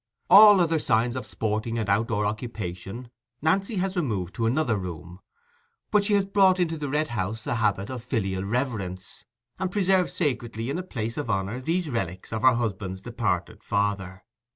All other signs of sporting and outdoor occupation Nancy has removed to another room; but she has brought into the Red House the habit of filial reverence, and preserves sacredly in a place of honour these relics of her husband's departed father.